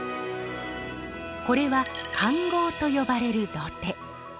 これは環濠と呼ばれる土手。